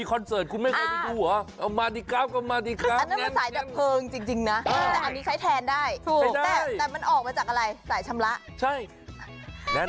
ก็ฉีดไปข้างบนไงเอ๊เอ๊มาดีกรับก็มาดีกรับแง่น